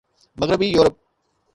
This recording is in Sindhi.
مغربي يورپ